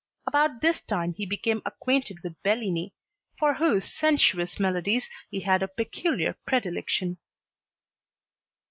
About this time he became acquainted with Bellini, for whose sensuous melodies he had a peculiar predilection.